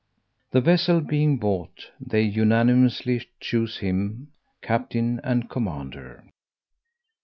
The vessel being bought, they unanimously chose him captain and commander.